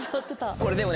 これでもね